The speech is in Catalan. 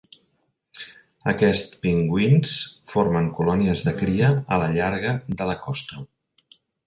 Aquests pingüins formen colònies de cria a la llarga de la costa.